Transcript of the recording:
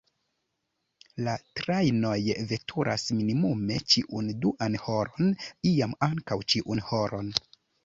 La trajnoj veturas minimume ĉiun duan horon, iam ankaŭ ĉiun horon.